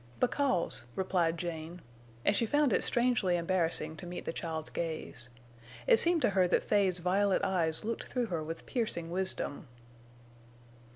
"Because," replied Jane. And she found it strangely embarrassing to meet the child's gaze. It seemed to her that Fay's violet eyes looked through her with piercing wisdom.